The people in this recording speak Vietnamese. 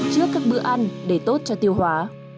trước các bữa ăn để tốt cho tiêu hóa